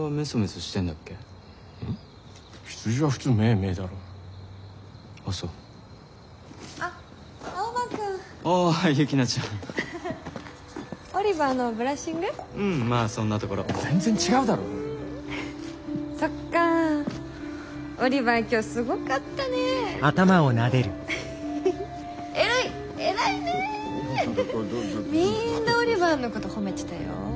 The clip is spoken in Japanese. みんなオリバーのこと褒めてたよ。